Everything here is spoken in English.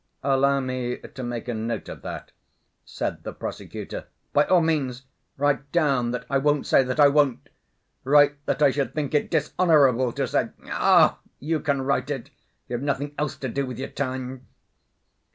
"Allow me to make a note of that," said the prosecutor. "By all means. Write down that I won't say, that I won't. Write that I should think it dishonorable to say. Ech! you can write it; you've nothing else to do with your time."